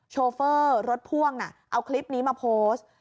โชเฟอร์รถพ่วงเอาคลิปนี้มาโพสต์